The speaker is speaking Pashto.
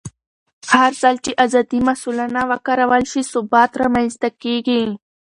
هرځل چې ازادي مسؤلانه وکارول شي، ثبات رامنځته کېږي.